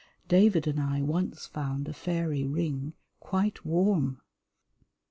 David and I once found a fairy ring quite warm.